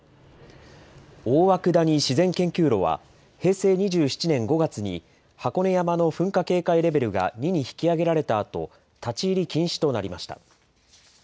大涌谷自然研究路は平成２７年５月に、箱根山の噴火警戒レベルが２に引き上げられたあと、立ち入り禁止となりました。